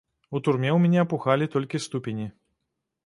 У турме ў мяне апухалі толькі ступені.